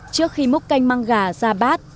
trước khi múc canh măng gà ra bát